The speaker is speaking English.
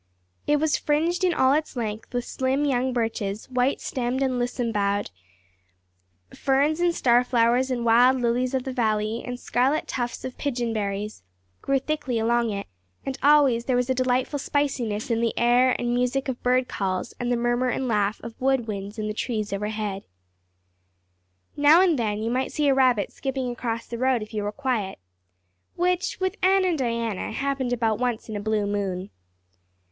It was fringed in all its length with slim young birches, white stemmed and lissom boughed; ferns and starflowers and wild lilies of the valley and scarlet tufts of pigeonberries grew thickly along it; and always there was a delightful spiciness in the air and music of bird calls and the murmur and laugh of wood winds in the trees overhead. Now and then you might see a rabbit skipping across the road if you were quiet which, with Anne and Diana, happened about once in a blue moon.